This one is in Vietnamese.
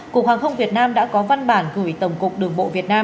cục hàng không việt nam đã có văn bản gửi tổng cục đường bộ việt nam